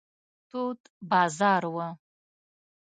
تود بازار و.